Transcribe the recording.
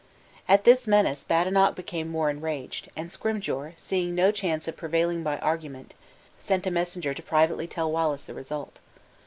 At this menace Badenoch became more enraged, and Scrymgeour, seeing no chance of prevailing by argument, sent a messenger to privately tell Wallace the result.